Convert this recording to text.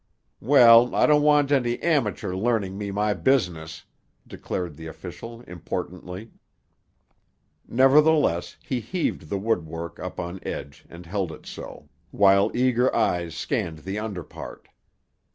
"Well, I don't want any amachure learning me my business," declared the official importantly. Nevertheless, he heaved the woodwork up on edge and held it so, while eager eyes scanned the under part.